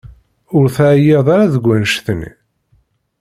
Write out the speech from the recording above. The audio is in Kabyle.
Ur teεyiḍ ara deg annect-nni?